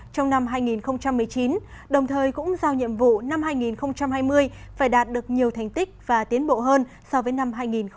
trong năm hai nghìn một mươi chín đồng thời cũng giao nhiệm vụ năm hai nghìn hai mươi phải đạt được nhiều thành tích và tiến bộ hơn so với năm hai nghìn một mươi tám